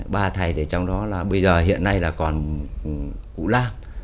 ba thầy thì trong đó là bây giờ hiện nay là còn cụ la